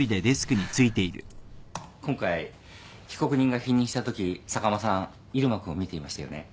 今回被告人が否認したとき坂間さん入間君を見ていましたよね。